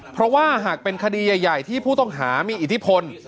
เพราะว่าหากเป็นคดีใหญ่ที่ผู้ต้องหามีอิทธิพล